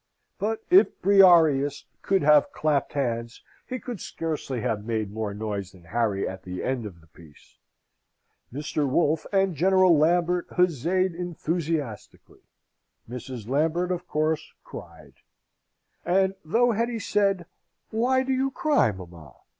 But if Briareus could have clapped hands, he could scarcely have made more noise than Harry at the end of the piece. Mr. Wolfe and General Lambert huzzayed enthusiastically. Mrs. Lambert, of course, cried: and though Hetty said, "Why do you cry, mamma?